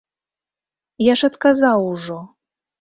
Я ж адказаў ужо.